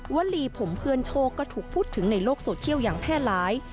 วลีผมเพื่อนโชคก็ถูกพูดถึงในโลกโซเชียลอย่างแพร่หลาย